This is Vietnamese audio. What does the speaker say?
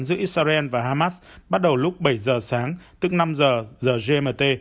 giữa israel và hamas bắt đầu lúc bảy giờ sáng tức năm giờ giờ gmt